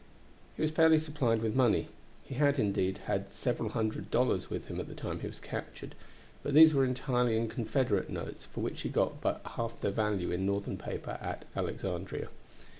He was fairly supplied with money. He had, indeed, had several hundred dollars with him at the time he was captured; but these were entirely in Confederate notes, for which he got but half their value in Northern paper at Alexandria.